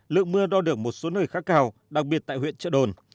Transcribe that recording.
lượng mưa đo được một số nơi khá cao đặc biệt tại huyện trợ đồn